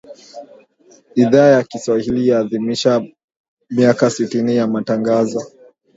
Idhaa ya Kiswahili yaadhimisha miaka sitini ya Matangazo